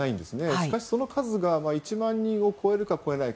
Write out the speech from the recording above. しかし、その数が１万人を超えるか超えないか。